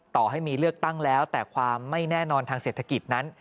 ต่อให้มีเลือกตั้งแล้วแต่ความไม่แน่นอนทางเศรษฐกิจนั้น